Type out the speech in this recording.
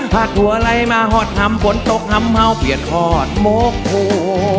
พาดหัวไล่มาหอดทำบนตกห่ำเผาเปลี่ยนหอดโมกหัว